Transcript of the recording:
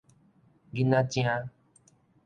囡仔精